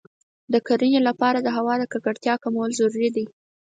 د کرنې لپاره د هوا د ککړتیا کمول ضروري دی.